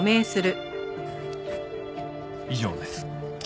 以上です。